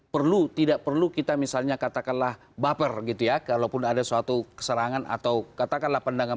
perlu tidak perlu kita misalnya katakanlah baper gitu ya kalaupun ada suatu keserangan atau katakanlah pandangan